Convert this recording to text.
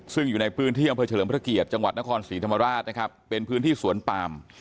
ซึ่งอยู่ในพื้นที่อำเภอเฉลิมพระเกียรติจังหวัดนครศรีธรรมราชนะครับเป็นพื้นที่สวนปาม